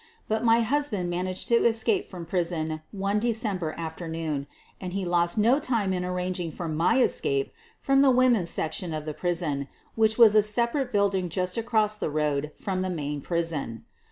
But my husband managed to escape from the prison one December afternoon, and he lost no time in arrang ing for my escape from the women's section of the prison, which was a separate building just across the road from the main prison.